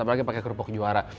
apalagi pakai kerupuk juara